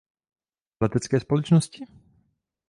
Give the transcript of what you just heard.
Letecké společnosti?